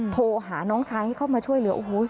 โทรหาน้องชายให้เข้ามาช่วยเหลือโอ้โห